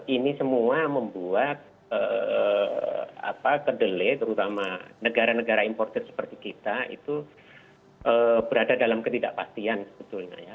ini semua membuat kedele terutama negara negara importer seperti kita itu berada dalam ketidakpastian sebetulnya ya